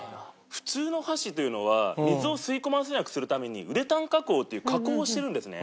普通の箸というのは水を吸い込ませなくするためにウレタン加工っていう加工をしてるんですね。